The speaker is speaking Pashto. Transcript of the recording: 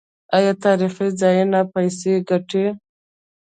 آیا تاریخي ځایونه پیسې ګټي؟